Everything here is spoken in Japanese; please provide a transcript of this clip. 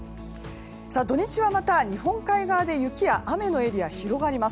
土日はまた日本海側で雪や雨のエリア広がります。